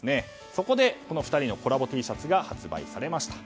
そこで、この２人のコラボＴシャツが発売されました。